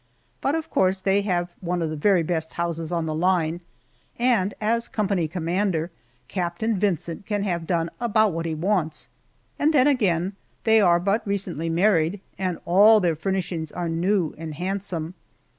But of course they have one of the very best houses on the line, and as company commander, Captain Vincent can have done about what he wants. And then, again, they are but recently married, and all their furnishings are new and handsome.